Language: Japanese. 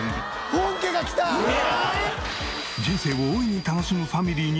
人生を大いに楽しむファミリーに密着！